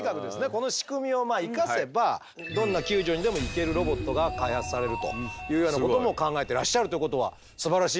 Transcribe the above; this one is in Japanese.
この仕組みを生かせばどんな救助にでも行けるロボットが開発されるというようなことも考えてらっしゃるということはすばらしいんじゃないかと思いますが。